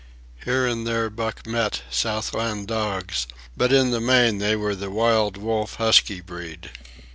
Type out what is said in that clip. Here and there Buck met Southland dogs, but in the main they were the wild wolf husky breed.